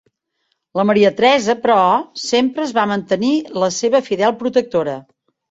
La Maria Teresa, però, sempre es va mantenir la seva fidel protectora.